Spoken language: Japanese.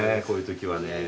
こういうときはね。